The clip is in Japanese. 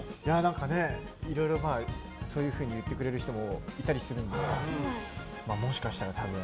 いろいろそういうふうに言ってくれる人もいたりするのでもしかしたら多分。